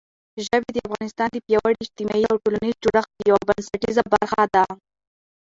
ژبې د افغانستان د پیاوړي اجتماعي او ټولنیز جوړښت یوه بنسټیزه برخه ده.